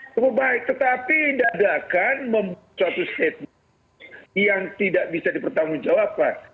cukup baik tetapi tidak akan membuat suatu statement yang tidak bisa dipertanggung jawab pak